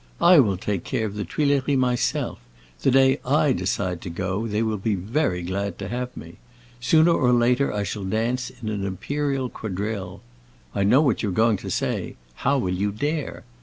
I will take care of the Tuileries myself; the day I decide to go they will be very glad to have me. Sooner or later I shall dance in an imperial quadrille. I know what you are going to say: 'How will you dare?